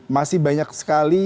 masih banyak sekali